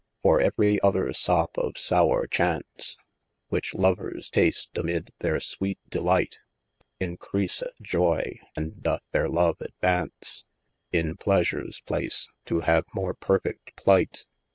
For ev'ry other sop of sower chaunce, Which lovers tast amid their sweete delight: Encreaseth joye, and doth their love advaunce, In pleasures place, to have more perfecl plight.